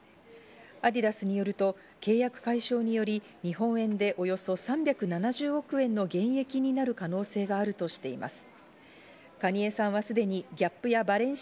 アディダスによると、契約解消により日本円でおよそ３７０億円の減益になる可能性があるとしています。